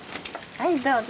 はいどうぞ。